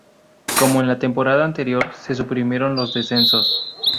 Como en la temporada anterior, se suprimieron los descensos.